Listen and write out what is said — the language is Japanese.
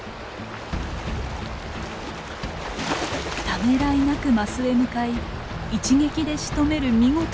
ためらいなくマスへ向かい一撃でしとめる見事な狩り。